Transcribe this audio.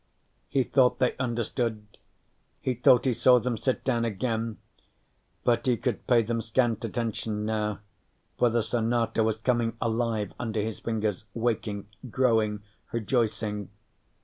He thought they understood. He thought he saw them sit down again, but he could pay them scant attention now, for the sonata was coming alive under his fingers, waking, growing, rejoicing.